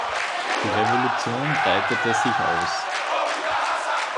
Die Revolution breitete sich aus.